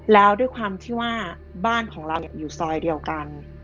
แล้วด้วยความที่ว่าบ้านของเราอยู่ซอยเดียวกัน